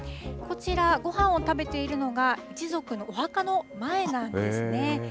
こちら、ごはんを食べているのが一族のお墓の前なんですね。